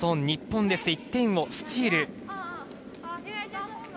日本です、１点をスチール。